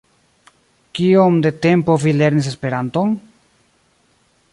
Kiom de tempo vi lernis Esperanton?